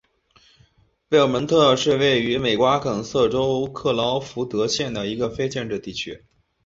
贝尔蒙特是位于美国阿肯色州克劳福德县的一个非建制地区。